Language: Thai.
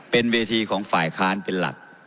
เป็นเวทีของฝ่ายค้านเป็นหลัก